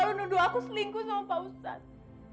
lalu nuduh aku selingkuh sama pak ustadz